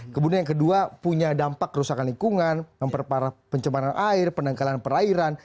kemudian yang kedua punya dampak kerusakan lingkungan pencemaran air penangkalan perairan